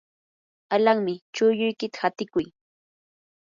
alanmi, chulluykita qatiykuy.